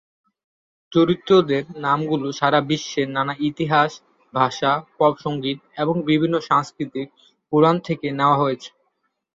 চরিত্রদের নাম গুলো সারা বিশ্বের নানা ইতিহাস, ভাষা, পপ সংস্কৃতি এবং বিভিন্ন সংস্কৃতির পুরাণ থেকে নেওয়া হয়েছে।